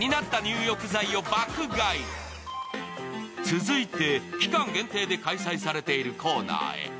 続いて、期間限定で開催されているコーナーへ。